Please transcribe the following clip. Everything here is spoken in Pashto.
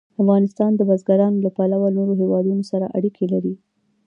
افغانستان د بزګان له پلوه له نورو هېوادونو سره اړیکې لري.